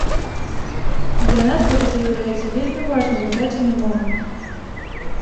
Для нас гэта з'яўляецца вельмі важным у дадзены момант.